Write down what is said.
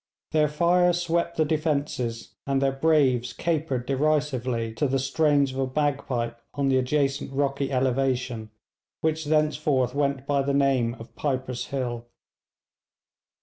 Their fire swept the defences, and their braves capered derisively to the strains of a bagpipe on the adjacent rocky elevation, which thenceforth went by the name of 'Piper's Hill.'